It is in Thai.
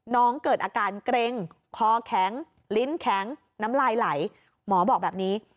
เกิดอาการเกร็งคอแข็งลิ้นแข็งน้ำลายไหลหมอบอกแบบนี้